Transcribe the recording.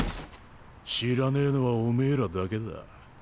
知らねェのはおめえらだけだ。